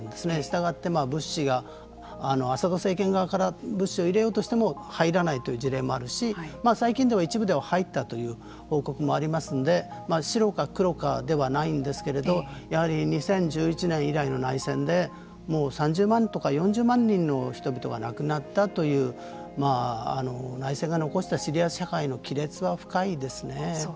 したがって、物資がアサド政権側から物資を入れようとしても入らないという事例もあるし最近では一部では入ったという報告もありますので白か黒かではないんですけれどやはり２０１１年以来の内戦でもう３０万とか４０万人の人々が亡くなったという、内戦が残したシリア社会の亀裂は深いですね。